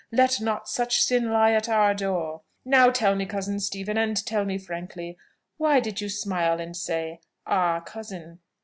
Let not such sin lie at our door! Now tell me then, cousin Stephen, and tell me frankly, why did you smile and say, 'Ah cousin'?"